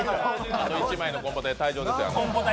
あと１枚のコンポタで退場ですよ。